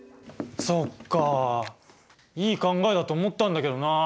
そっかいい考えだと思ったんだけどな。